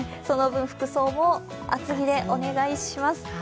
その分、服装も厚着でお願いします